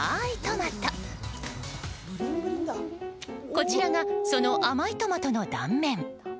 こちらがその甘いトマトの断面。